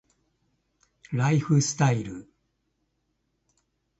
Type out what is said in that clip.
ライフスタイル